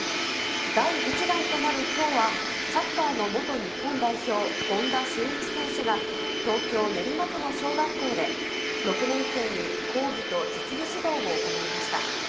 第１弾となるきょうは、サッカーの元日本代表、権田修一選手が、東京・練馬区の小学校で、６年生に講義と実技指導を行いました。